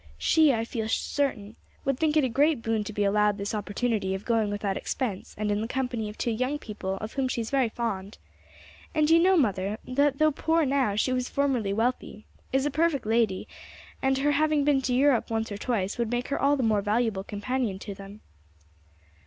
She, I feel certain, would think it a great boon to be allowed this opportunity of going without expense and in the company of two young people of whom she is very fond. And you know, mother, that though poor now she was formerly wealthy, is a perfect lady, and her having been to Europe once or twice would make her all the more valuable companion to them."